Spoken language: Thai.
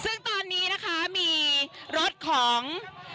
ซึ่งตอนนี้นะคะมีรถของ